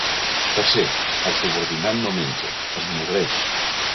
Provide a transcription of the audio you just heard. Tercer: el subordinat no menja, es nodreix.